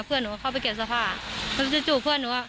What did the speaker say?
เพื่อนหนูเข้าไปเก็บเสื้อผ้าแล้วจู่จู่เพื่อนหนูอ่ะ